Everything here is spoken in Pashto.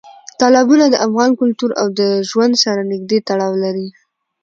تالابونه د افغان کلتور او ژوند سره نږدې تړاو لري.